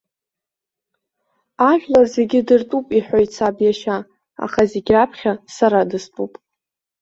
Ажәлар зегьы дыртәуп иҳәоит саб иашьа, аха зегь раԥхьа сара дыстәуп.